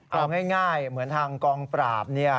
เอาง่ายเหมือนทางกองปราบ